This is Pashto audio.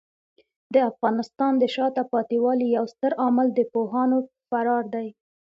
د افغانستان د شاته پاتې والي یو ستر عامل د پوهانو فرار دی.